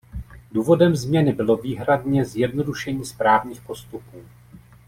Důvodem změny bylo výhradně zjednodušení správních postupů.